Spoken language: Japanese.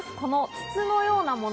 筒のようなもの。